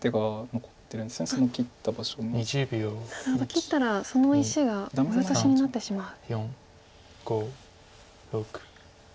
切ったらその石がオイオトシになってしまう。